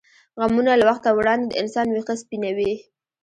غمونه له وخته وړاندې د انسان وېښته سپینوي.